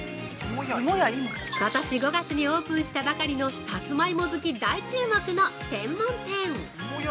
ことし５月にオープンしたばかりのさつまいも好き大注目の専門店。